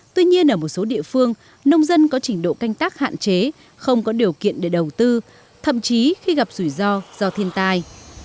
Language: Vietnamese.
tuy nhiên ở một số địa phương nông dân có trình độ canh tác hạn chế không có điều kiện để đầu tư thậm chí khi gặp rủi ro do thiên tai